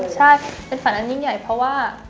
ใช่เป็นฝันอันยิ่งใหญ่เพราะว่า